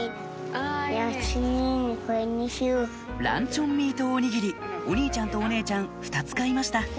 ランチョンミートおにぎりお兄ちゃんとお姉ちゃん２つ買いました